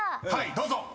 ［どうぞ。